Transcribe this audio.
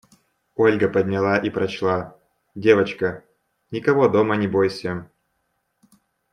Ольга подняла и прочла: «Девочка, никого дома не бойся.